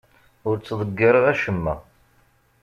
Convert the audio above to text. Ur ttḍeggireɣ acemma.